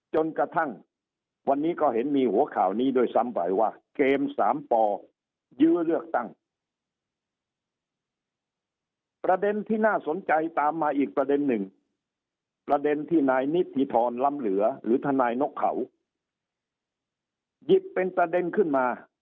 จนกระทั่งวันนี้ก็เห็นมีหัวข่าวนี้ด้วยซ้ำบ่ายว่าเกม๓ต่อยื้อเลือกตั้ง